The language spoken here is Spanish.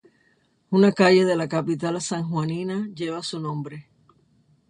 Una calle de la capital sanjuanina lleva su nombre.